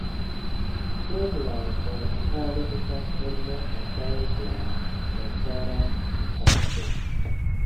Krome, la montaro estas hejmo ankaŭ de la montara kapro.